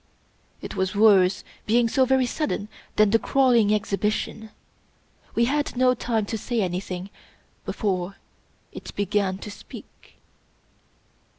It was worse, being so very sudden, than the crawUng exhibition. We had no time to say anything before it began to speak.